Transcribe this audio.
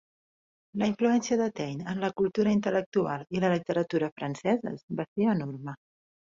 La influència de Taine en la cultura intel·lectual i la literatura franceses va ser enorme.